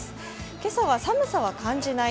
今朝は寒さは感じない